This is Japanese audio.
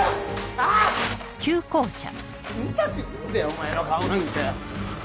お前の顔なんかよ！